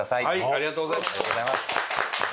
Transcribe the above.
ありがとうございます。